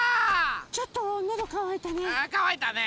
ちょっとのどかわいたね。